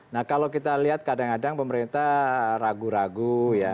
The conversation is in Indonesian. nah kalau kita lihat kadang kadang pemerintah ragu ragu ya